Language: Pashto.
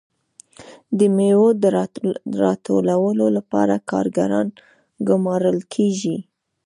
د میوو د راټولولو لپاره کارګران ګمارل کیږي.